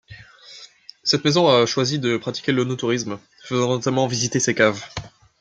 Cette maison a choisi de pratiquer l'œnotourisme, faisant notamment visiter ses caves.